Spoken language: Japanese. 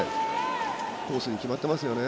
コースが決まってますよね。